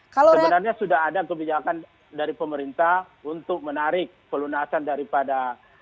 sebenarnya sudah ada kebijakan dari pemerintah untuk menarik pelunasan daripada